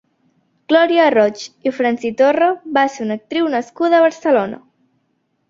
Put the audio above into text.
Glòria Roig i Fransitorra va ser una actriu nascuda a Barcelona.